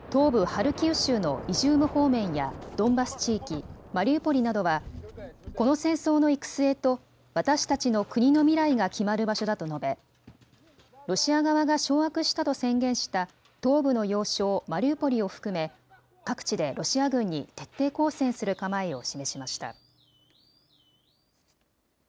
ハルキウ州のイジューム方面やドンバス地域、マリウポリなどは、この戦争の行く末と私たちの国の未来が決まる場所だと述べ、ロシア側が掌握したと宣言した東部の要衝マリウポリを含め、各地でロシア軍に徹底抗戦する構えを示しました。